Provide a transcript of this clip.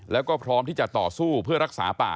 แล้วก็พร้อมที่จะต่อสู้เพื่อรักษาป่า